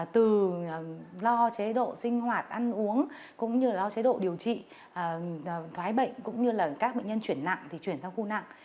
từ lo chế độ sinh hoạt ăn uống cũng như lo chế độ điều trị thoái bệnh cũng như là các bệnh nhân chuyển nặng thì chuyển sang khu nặng